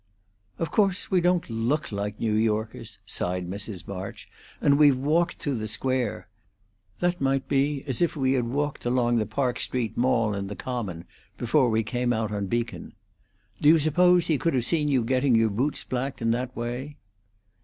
"Of course, we don't look like New Yorkers," sighed Mrs. March, "and we've walked through the Square. That might be as if we had walked along the Park Street mall in the Common before we came out on Beacon. Do you suppose he could have seen you getting your boots blacked in that way?"